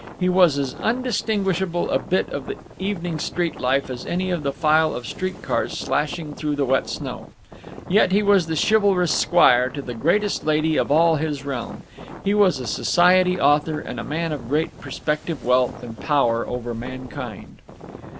He was as undistinguishable a bit of the evening street life as any of the file of street cars slashing through the wet snow. Yet, he was the chivalrous squire to the greatest lady of all his realm; he was a society author, and a man of great prospective wealth and power over mankind!